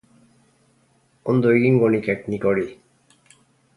Ondo egingo nikek nik hori.